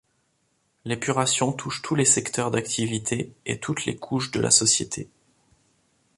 L’épuration touche tous les secteurs d’activité et toutes les couches de la société.